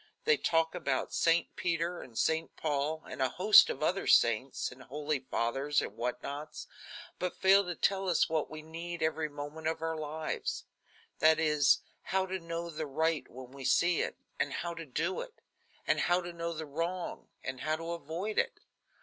They talk about St. Peter and St. Paul, and a host of other saints and holy fathers and what nots, but fail to tell us what we need every moment of our lives; that is, how to know the right when we see it, and how to do it; and how to know the wrong and how to avoid it.